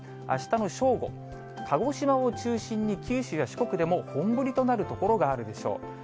あしたの正午、鹿児島を中心に九州や四国でも本降りとなる所があるでしょう。